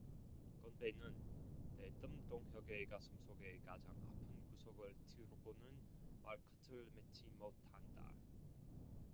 건배는 대뜸 동혁의 가슴속의 가장 아픈 구석을 찌르고는 말끝을 맺지 못한다.